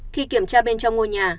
khi kiểm tra bên trong ngôi nhà